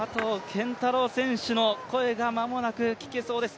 拳太郎選手の声が間もなく聞けそうです。